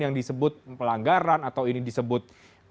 yang disebut pelanggaran atau ini disebut